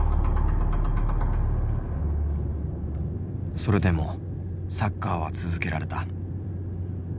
それでもサッカーは続けられた。